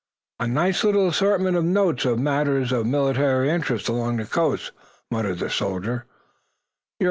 "A nice little assortment of notes on matters of military interest along this coast," muttered the soldier.